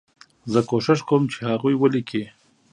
زه کوښښ کوم چې هغوی ولیکي.